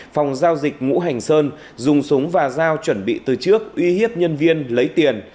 phòng giao dịch ngũ hành sơn dùng súng và dao chuẩn bị từ trước uy hiếp nhân viên lấy tiền